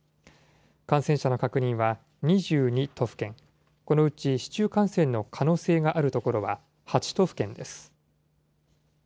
感染者の確認は２２都府県、このうち市中感染の可能性がある所は８都府県です。